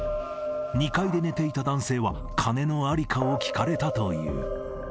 ２階で寝ていた男性は、金の在りかを聞かれたという。